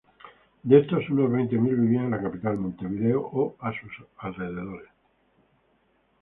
De estos unos veinte mil vivían en la capital, Montevideo, o sus alrededores.